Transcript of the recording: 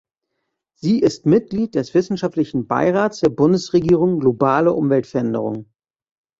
Sie ist Mitglied des Wissenschaftlichen Beirats der Bundesregierung Globale Umweltveränderungen.